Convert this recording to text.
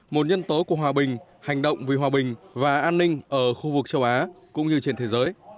một nhân tố của hòa bình hành động vì hòa bình và an ninh ở khu vực châu á cũng như trên thế giới